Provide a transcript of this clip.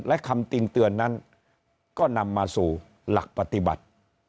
และคำติงเตือนนั้นก็นำมาสู่หลักปฏิบัติ